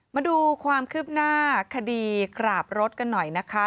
มาดูความคืบหน้าคดีกราบรถกันหน่อยนะคะ